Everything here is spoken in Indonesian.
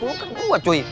gulung kan buat cuy